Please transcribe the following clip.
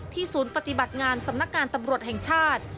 ศูนย์ปฏิบัติงานสำนักงานตำรวจแห่งชาติ